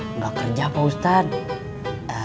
tidak kerja pak ustadz